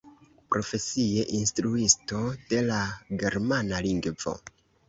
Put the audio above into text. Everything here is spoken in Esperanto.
Profesie instruisto de la germana lingvo.